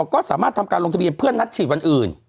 ก็สามารถทำการลงทะเบียนเพื่อนนัดฉีดวันอื่น